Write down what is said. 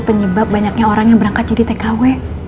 penyebab banyaknya orang yang berangkat jadi tkw